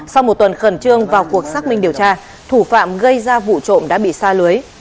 sau một tuần khẩn trương vào cuộc xác minh điều tra thủ phạm gây ra vụ trộm đã bị xa lưới